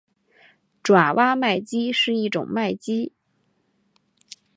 爪哇麦鸡是一种麦鸡。